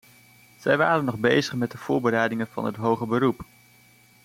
Zij waren nog bezig met de voorbereidingen van het hoger beroep.